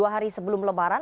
dua hari sebelum lebaran